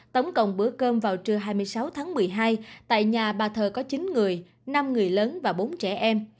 tổng cộng bữa cơm vào trưa hai mươi sáu tháng một mươi hai tại nhà bà thơ có chín người năm người lớn và bốn trẻ em